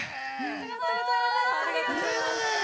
ありがとうございます。